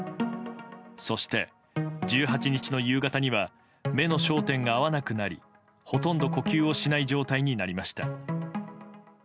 そして１８日の夕方には目の焦点が合わなくなりほとんど呼吸をしない状態になりました。